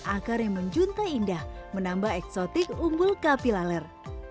akar yang menjunta indah menambah eksotik umbul kapilaler